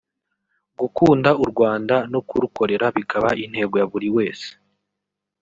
gukunda u Rwanda no kurukorera bikaba intego ya buri wese